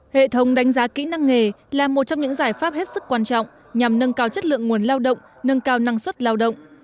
hệ thống đánh giá kỹ năng nghề là một trong những giải pháp hết sức quan trọng nhằm nâng cao chất lượng nguồn lao động nâng cao năng suất lao động